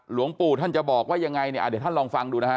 หลวงปู่ท่านจะบอกว่ายังไงเนี่ยเดี๋ยวท่านลองฟังดูนะฮะ